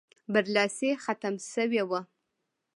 برلاسی ختم شوی وو.